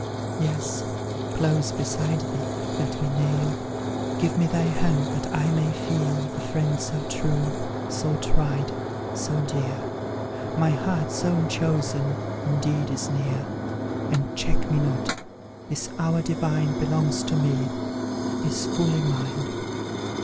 Yes, close beside thee let me kneel Give me thy hand, that I may feel The friend so true so tried so dear, My heart's own chosen indeed is near; And check me not this hour divine Belongs to me is fully mine.